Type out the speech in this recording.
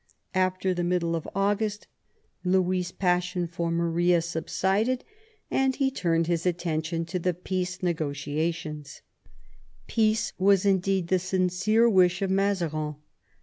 After the middle of August Louis* passion for Maria subsided, and he turned his attention to the peace negotiations. Peace was indeed the sincere wish of Mazarin.